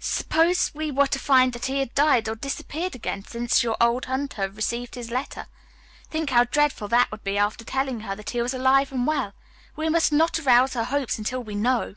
"Suppose we were to find that he had died or disappeared again since your old hunter received his letter. Think how dreadful that would be after telling her that he was alive and well. We must not arouse her hopes until we know."